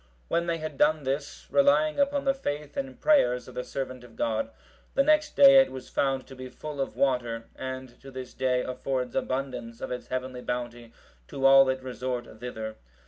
When they had done this relying upon the faith and prayers of the servant of God, the next day it was found to be full of water, and to this day affords abundance of its heavenly bounty to all that resort thither.